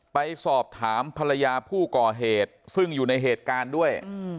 ไปสอบถามภรรยาผู้ก่อเหตุซึ่งอยู่ในเหตุการณ์ด้วย